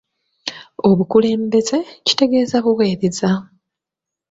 Obukulebeze kitegeeza buweereza.